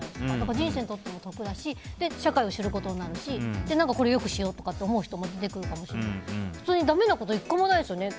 人生にとっても得だし社会を知ることになるしこれを良くしようと思う人も出てくるかもしれないしだめなこと１個もないですよね。